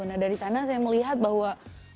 nah dari sana saya melihat bahwa